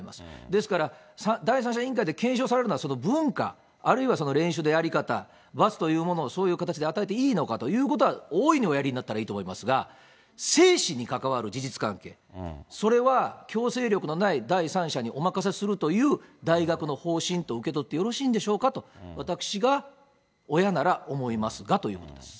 ですから、第三者委員会で検証されるのはその文化、あるいは練習のやり方、罰というものをそういう形で与えていいのかということは大いにおやりになったほうがいいと思いますが、生死に関わる事実関係、それは強制力のない第三者にお任せするという大学の方針と受け取ってよろしいんでしょうかと、私が親なら思いますがということです。